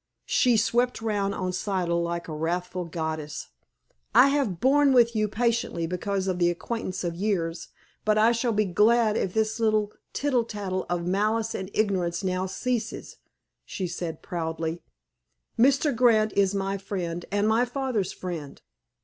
She swept round on Siddle like a wrathful goddess. "I have borne with you patiently because of the acquaintance of years, but I shall be glad if this tittle tattle of malice and ignorance now ceases," she said proudly. "Mr. Grant is my friend, and my father's friend.